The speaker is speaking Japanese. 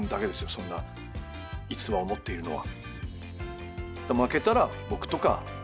そんな逸話を持っているのは。